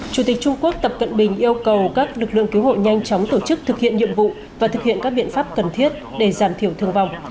chủ tịch trung quốc tập cận bình yêu cầu các lực lượng cứu hộ nhanh chóng tổ chức thực hiện nhiệm vụ và thực hiện các biện pháp cần thiết để giảm thiểu thương vong